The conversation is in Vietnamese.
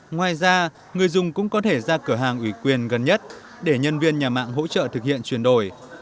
ngoài ra người dùng cũng có thể ra cửa hàng ủy quyền gần nhất để nhân viên nhà mạng hỗ trợ thực hiện chuyển đổi